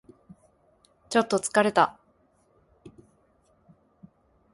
ちょっと疲れた